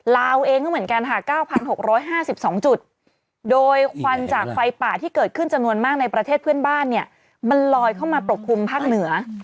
ลาวเองก็เหมือนกันค่ะ๙๖๕๒จุดโดยควันจากไฟป่าที่เกิดขึ้นจำนวนมากในประเทศเพื่อนบ้านเนี่ยมันลอยเข้ามาปกคลุมภาคเหนือ